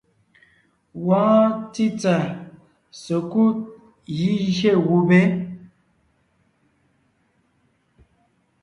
Wɔɔn títsà sekúd gígié gubé.